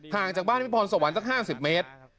ห่างจากบ้านพี่พรสวรรค์ตั้ง๕๐เมตร